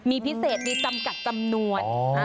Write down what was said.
มีพิเศษมีจำกัดจำนวน